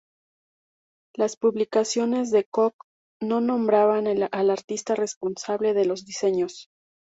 Las publicaciones de Cock no nombraban al artista responsable de los diseños.